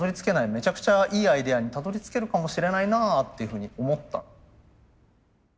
めちゃくちゃいいアイデアにたどりつけるかもしれないなっていうふうに思った。